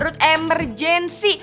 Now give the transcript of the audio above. darurat gawat darut emberjensi